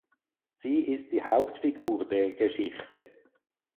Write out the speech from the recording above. Sie ist die Hauptfigur der Geschichte.